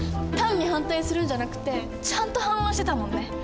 単に反対するんじゃなくてちゃんと反論してたもんね。